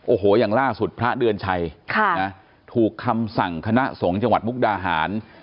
โอ้โหอย่างล่าสุดพระเดือนชัยถูกคำสั่งคณะสงฆ์จังหวัดมุกดาหาร